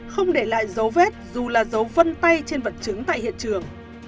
không để lại dấu vết dù là dấu phân tay trên vật chứng tại hiện trường